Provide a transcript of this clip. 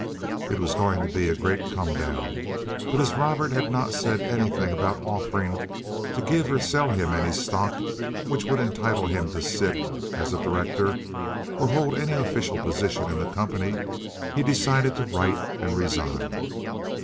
It was going to be a great come down, but as Robert had not said anything about offering to give or sell him any stock which would entitle him to sit as a director or hold any official position in the company, he decided to write and resign.